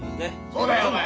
そうだよお前。